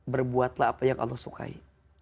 berbuatlah apa yang allah sukai